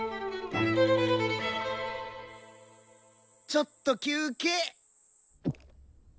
ちょっと休憩！